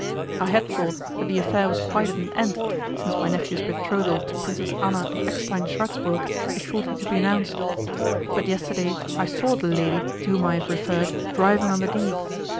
I had thought that the affair was quite at an end, since my nephew's betrothal to Princess Anna of Eckstein Schwartzburg is shortly to be announced. But yesterday I saw the lady to whom I have referred driving on the Digue.